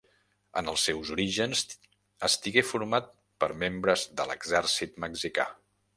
En els seus orígens estigué format per membres de l'exèrcit mexicà.